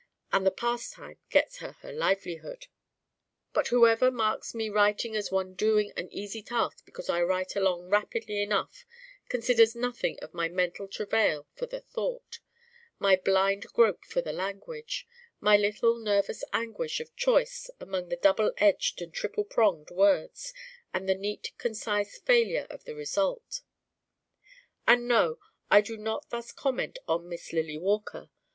And that pastime gets her her livelihood.' But whoever marks me writing as one doing an easy task because I write along rapidly enough considers nothing of my mental travail for the thought, my blind grope for the language, my little nervous anguish of choice among the double edged and triple pronged words: and the neat concise failure of the result. And no, I do not thus comment on Miss Lily Walker.